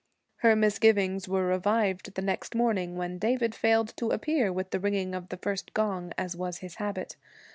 Her misgivings were revived the next morning, when David failed to appear with the ringing of the first gong, as was his habit.